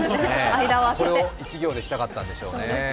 これを１行にしたかったんでしょうね。